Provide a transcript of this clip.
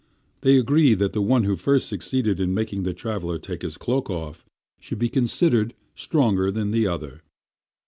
They agreed that the one who first succeeded in making the traveler take his cloak off should be considered stronger than the other.